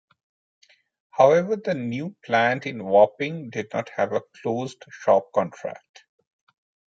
However the new plant in Wapping did not have a closed shop contract.